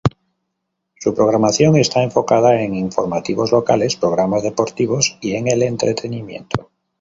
Su programación está enfocada en informativos locales, programas deportivos y en el entretenimiento.